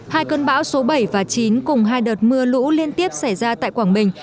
hai cơn bão số bảy và chín cùng hai đợt mưa lũ liên tiếp xảy ra tại quảng bình